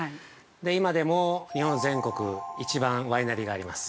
今でも日本全国一番ワイナリーがあります。